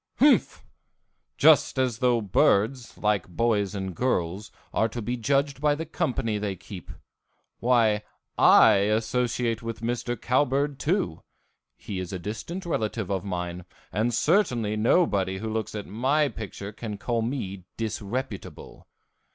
Humph! Just as though birds, like boys and girls, are to be judged by the company they keep. Why, I associate with Mr. Cowbird, too; he is a distant relative of mine, and certainly nobody who looks at my picture can call me disreputable.